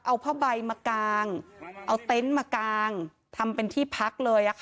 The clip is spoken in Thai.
เอาผ้าใบมากางเอาเต็นต์มากางทำเป็นที่พักเลย